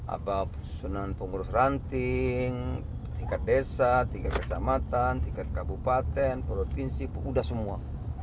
apa pensusunan pengurus ranting tingkat desa tingkat kecamatan tingkat kabupaten provinsi sudah semua